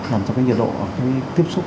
làm cho cái nhiệt độ tiếp xúc